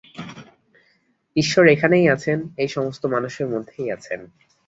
ঈশ্বর এখানেই আছেন, এই সমস্ত মানুষের মধ্যেই আছেন।